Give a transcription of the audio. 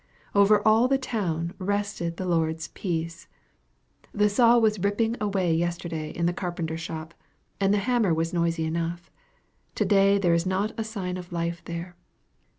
Over all the town rested the Lord's peace! The saw was ripping away yesterday in the carpenter's shop, and the hammer was noisy enough. Today there is not a sign of life there.